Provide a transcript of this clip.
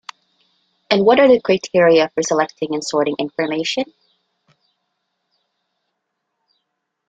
And what are the criteria for selecting and sorting information?